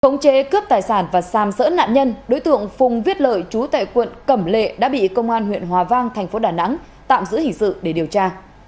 khống chế cướp tài sản và xam sỡ nạn nhân đối tượng phùng viết lợi chú tại quận cẩm lệ đã bị công an huyện hòa vang thành phố đà nẵng tạm giữ hình sự để điều tra